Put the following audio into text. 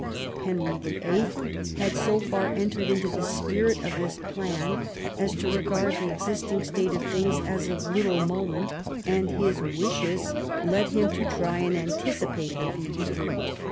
Henry VIII. had so far entered into the spirit of this plan as to regard the existing state of things as of little moment, and his wishes led him to try and anticipate the future.